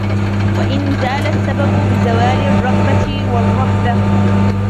وَإِنْ زَالَ السَّبَبُ بِزَوَالِ الرَّغْبَةِ وَالرَّهْبَةِ